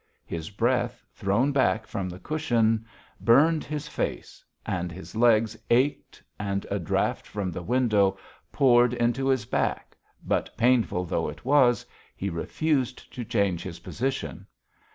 His breath, thrown back from the cushion, burned his face, and his legs ached and a draught from the window poured into his back, but, painful though it was, he refused to change his position....